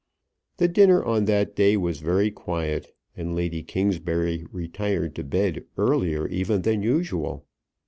The dinner on that day was very quiet, and Lady Kingsbury retired to bed earlier even than usual.